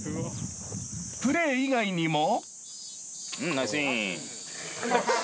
［プレー以外にも］